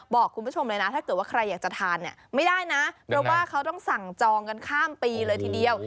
บอกคุณผู้ชมเลยนะถ้าเกิดว่าใครอยากจะทานเนี่ยไม่ได้นะเพราะว่าเขาต้องสั่งจองกันข้ามปีเลยทีเดียว